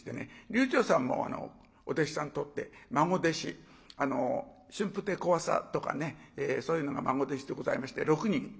柳朝さんもお弟子さん取って孫弟子春風亭小朝とかねそういうのが孫弟子でございまして６人。